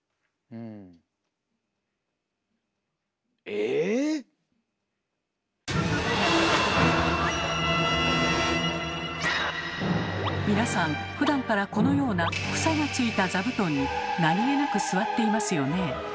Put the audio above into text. えーーー⁉皆さんふだんからこのような房がついた座布団に何気なく座っていますよね。